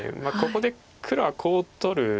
ここで黒はコウを取る。